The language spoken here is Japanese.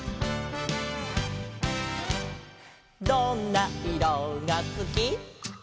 「どんないろがすき」「」